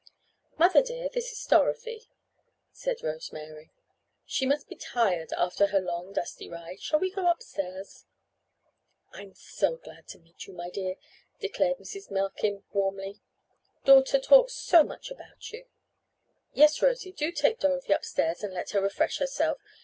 "Mother, dear, this is Dorothy," said Rose Mary. "She must be tired after her long, dusty ride. Shall we go upstairs?" "I'm so glad to meet you, my dear," declared Mrs. Markin, warmly. "Daughter talks so much about you. Yes, Rosie, do take Dorothy upstairs and let her refresh herself.